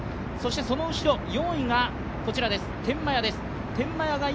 その後ろ、４位は天満屋です。